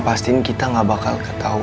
opa pastiin kita gak bakal ketahuan